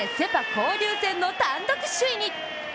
交流戦の単独首位に。